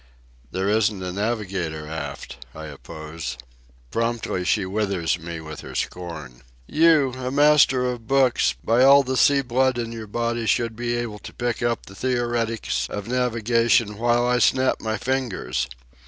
"There isn't a navigator aft," I oppose. Promptly she withers me with her scorn. "You, a master of books, by all the sea blood in your body should be able to pick up the theoretics of navigation while I snap my fingers.